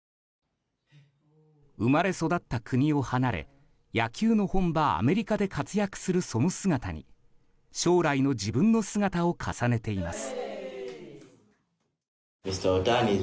生まれ育った国を離れ野球の本場アメリカで活躍するその姿に将来の自分の姿を重ねています。